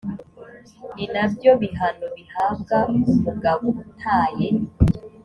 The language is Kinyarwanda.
ni na byo bihano bihabwa umugabo utaye